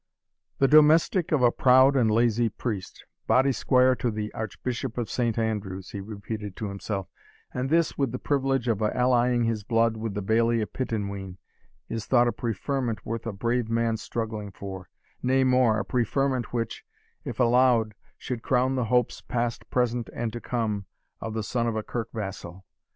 "The domestic of a proud and lazy priest body squire to the Archbishop of Saint Andrews," he repeated to himself; "and this, with the privilege of allying his blood with the Bailie of Pittenween, is thought a preferment worth a brave man's struggling for; nay more, a preferment which, if allowed, should crown the hopes, past, present, and to come, of the son of a Kirk vassal!